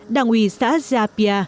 đảng ủy xã gia pi